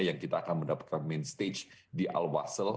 yang kita akan mendapatkan main stage di al wasel